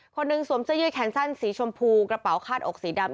สวมเสื้อยืดแขนสั้นสีชมพูกระเป๋าคาดอกสีดำ